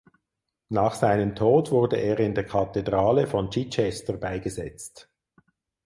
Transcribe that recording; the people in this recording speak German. Nach seinem Tod wurde er in der Kathedrale von Chichester beigesetzt.